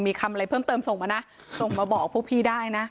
มีคำอะไรเพิ่มเติมส่งมานะส่งมาบอกพวกพี่ได้นะ